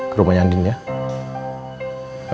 ke rumahnya andin sama al ya